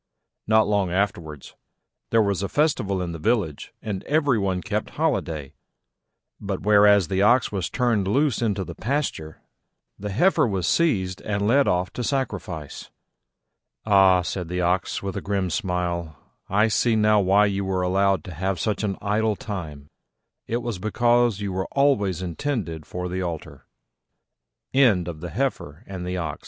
Not long afterwards there was a festival in the village and every one kept holiday: but, whereas the Ox was turned loose into the pasture, the Heifer was seized and led off to sacrifice. "Ah," said the Ox, with a grim smile, "I see now why you were allowed to have such an idle time: it was because you were always intended for the altar." THE KINGDOM OF THE LION When